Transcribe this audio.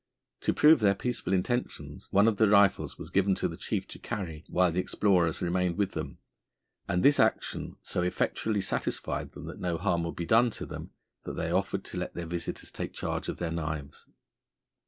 To prove their peaceful intentions, one of the rifles was given to the chief to carry while the explorers remained with them, and this action so effectually satisfied them that no harm would be done to them that they offered to let their visitors take charge of their knives.